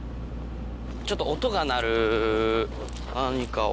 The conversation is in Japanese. ちょっと音が鳴る何かを。